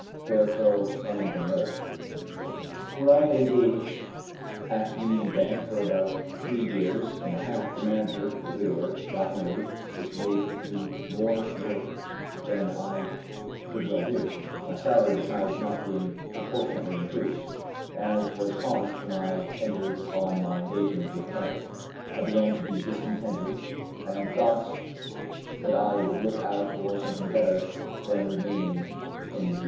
Fairclough, and many others. When I had been engaged at the Union Bank for about three years and a half, the manager, a widower, got married, which made me more work than I could well do; my salary besides not being proportionately increased, as was promised when I entered on my engagement with the bank, I began to be discontented, and thought that I would look out for something better than remaining in that billet.